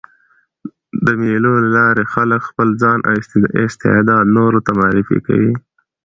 د مېلو له لاري خلک خپل ځان او استعداد نورو ته معرفي کوي.